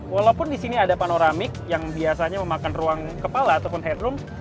walaupun di sini ada panoramik yang biasanya memakan ruang kepala ataupun headroom